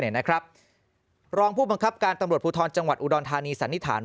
รองผู้บังคับการตำรวจภูทรจังหวัดอุดรธานีสันนิษฐาน